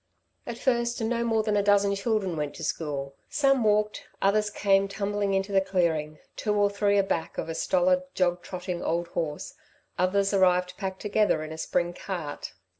At first no more than a dozen children went to school. Some walked, others came tumbling into the clearing, two or three a back of a stolid, jog trotting, old horse, others arrived packed together in a spring cart.